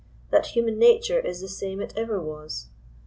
that human nature is the same it ever was.